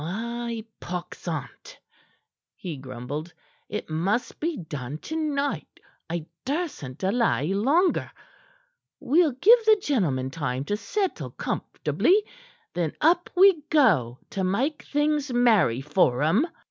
"Ay, pox on't!" he grumbled. "It must be done to night. I dursn't delay longer. We'll give the gentlemen time to settle comfortably; then up we go to make things merry for 'em."